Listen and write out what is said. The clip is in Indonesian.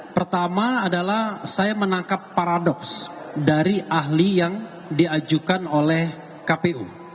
pertama adalah saya menangkap paradoks dari ahli yang diajukan oleh kpu